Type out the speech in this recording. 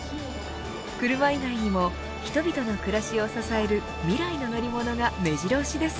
車以外にも人々の暮らしを支える未来の乗り物がめじろ押しです。